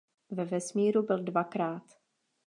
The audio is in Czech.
Ve vesmíru byl dvakrát.